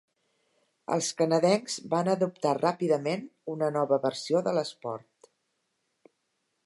Els canadencs van adoptar ràpidament una nova versió de l'esport.